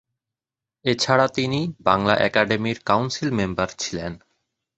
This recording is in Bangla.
এছাড়া তিনি বাংলা একাডেমীর কাউন্সিল মেম্বার ছিলেন।